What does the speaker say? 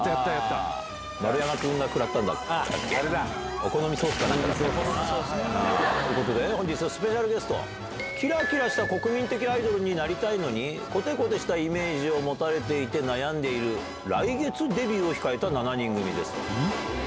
お好みソースかなんか。ということで、本日のスペシャルゲスト、きらきらした国民的アイドルになりたいのに、こてこてしたイメージを持たれていて悩んでいる、来月デビューを控えた７人組です。